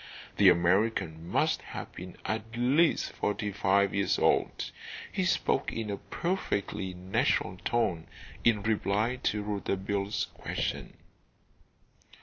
The American must have been at least forty five years old. He spoke in a perfectly natural tone in reply to Rouletabille's question.